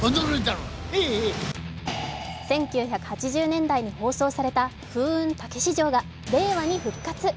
１９８０年代に放送された「風雲！たけし城」が令和に復活。